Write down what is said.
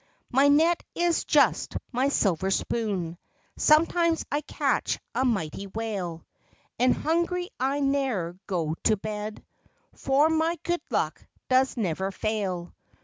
My net is just my silver spoon;— Sometimes I catch a mighty whale; And hungry I ne'er go to bed For my good luck does never fail.